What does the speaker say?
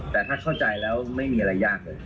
แต่ถ้าเข้าใจแล้วไม่มีอะไรยากเลย